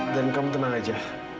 dan kamu tenang aja